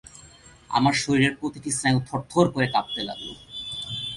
আমার শরীরের প্রতিটি স্নায়ু থরথর করে কাঁপতে লাগল।